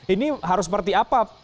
ini harus seperti apa pelaksanaan ini